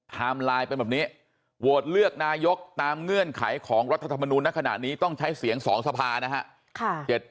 ไลน์เป็นแบบนี้โหวตเลือกนายกตามเงื่อนไขของรัฐธรรมนูลในขณะนี้ต้องใช้เสียง๒สภานะฮะ